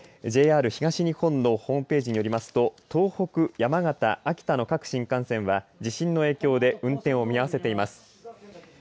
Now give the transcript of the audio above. ＪＲ東日本のホームページによりますと東北、山形、秋田の各新幹線は地震の影響で運転を見合わせています。